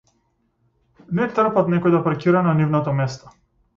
Не трпат некој да паркира на нивното место.